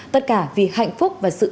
tất cả vì hạnh phúc và sự